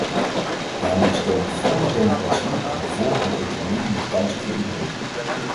Daarmee stem ik vóór de democratie en vóór een economie met kansen voor iedereen.